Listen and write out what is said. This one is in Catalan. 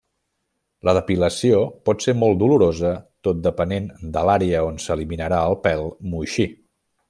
La depilació pot ser molt dolorosa tot depenent de l'àrea on s'eliminarà el pèl moixí.